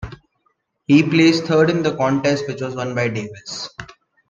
He placed third in the contest which was won by Davis.